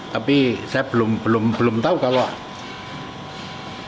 kalau itu tak terpaksa